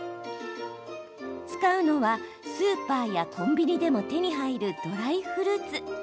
使うのは、スーパーやコンビニでも手に入るドライフルーツ。